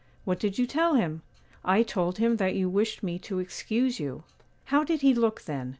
'What did you tell him?' 'I told him that you wished me to excuse you.' 'How did he look then?